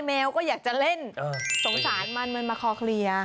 แมวก็อยากจะเล่นสงสารมันมันมาคอเคลียร์